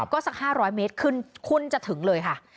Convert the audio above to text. ก็สัก๕๐๐เมตรขึ้นคุณจะถึงเลยค่ะ